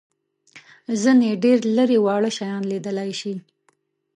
ځینې ډېر لېري واړه شیان لیدلای شي.